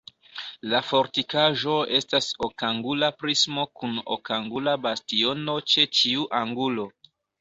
La fortikaĵo estas okangula prismo kun okangula bastiono ĉe ĉiu angulo.